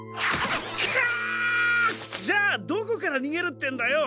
カァッじゃあどこからにげるってんだよ。